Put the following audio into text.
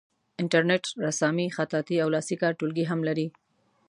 انټرنیټ رسامي خطاطي او لاسي کار ټولګي هم لري.